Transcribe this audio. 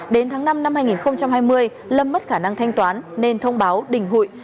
đến tháng năm năm hai nghìn hai mươi lâm mất khả năng thanh toán nên thông báo đình hụi